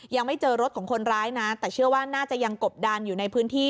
ยังไม่เจอรถของคนร้ายนะแต่เชื่อว่าน่าจะยังกบดันอยู่ในพื้นที่